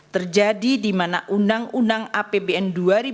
terjadi di mana uu apbn dua ribu dua puluh empat